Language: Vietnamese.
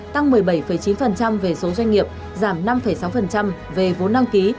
tăng một mươi bảy chín về số doanh nghiệp giảm năm sáu về vốn đăng ký